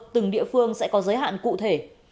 từng địa phương sẽ có giới hạn cụ thể